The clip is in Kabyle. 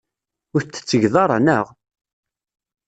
Ur t-tettgeḍ ara, naɣ?